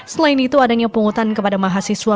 selain itu adanya pungutan kepada mahasiswa